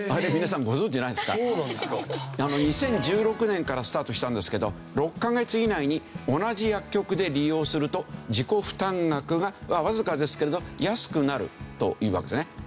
２０１６年からスタートしたんですけど６カ月以内に同じ薬局で利用すると自己負担額がわずかですけれど安くなるというわけですね。